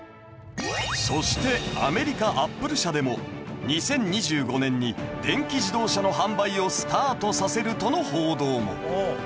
そしてアメリカアップル社でも２０２５年に電気自動車の販売をスタートさせるとの報道も。